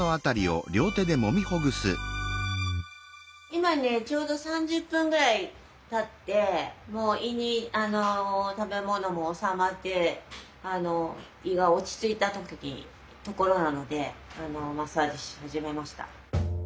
今ねちょうど３０分ぐらいたってもう胃に食べ物も収まって胃が落ち着いたところなのでマッサージし始めました。